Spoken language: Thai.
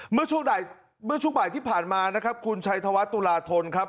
ช่วงเมื่อช่วงบ่ายที่ผ่านมานะครับคุณชัยธวัฒนตุลาธนครับ